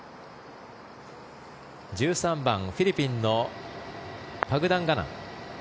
１３番、フィリピンのパグダンガナン。